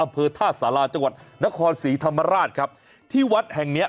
อำเภอท่าสาราจังหวัดนครศรีธรรมราชครับที่วัดแห่งเนี้ย